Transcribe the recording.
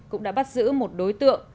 cũng đã bắt giữ một đối tượng